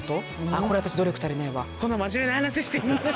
これ私努力足りないわ。